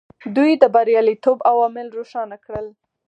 دوی د بریالیتوب عوامل روښانه کړل.